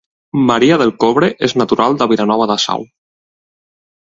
Maria del Cobre és natural de Vilanova de Sau